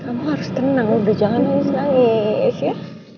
kamu harus tenang udah jangan nangis nangis ya